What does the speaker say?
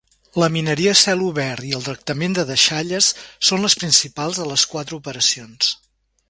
La mineria a cel obert i el tractament de deixalles són les principals de les quatre operacions.